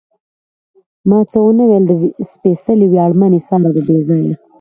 ما څه ونه ویل، د سپېڅلي، ویاړمن، اېثار او بې ځایه.